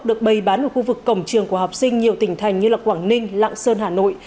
được bày bán ở khu vực cổng trường của học sinh nhiều tỉnh thành như quảng ninh lạng sơn hà nội